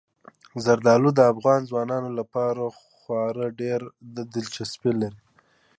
زردالو د افغان ځوانانو لپاره خورا ډېره دلچسپي لري.